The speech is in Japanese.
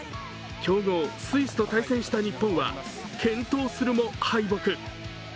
強豪・スイスと対戦した日本は健闘するも敗北。